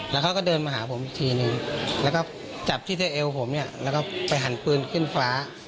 แล้วเขาก็เดินมาหาผมอีกทีนึงแล้วก็จับที่ที่เอวผมเนี่ยแล้วก็ไปหันปืนขึ้นฟ้า